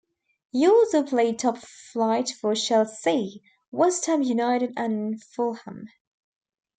He also played top flight for Chelsea, West Ham United and Fulham.